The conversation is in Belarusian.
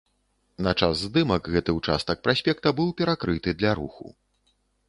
На час здымак гэты ўчастак праспекта быў перакрыты для руху.